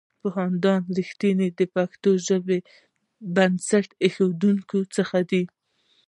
پوهاند رښتین د پښتو ژبې بنسټ ایښودونکو څخه دی.